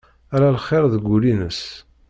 Ala lxir deg wul-ines.